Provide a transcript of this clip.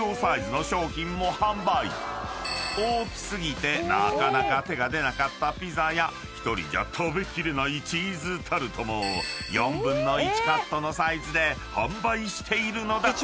［大き過ぎてなかなか手が出なかったピザや１人じゃ食べ切れないチーズタルトも４分の１カットのサイズで販売しているのだ］